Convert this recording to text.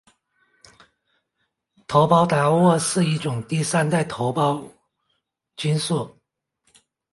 头孢达肟是一种第三代头孢菌素。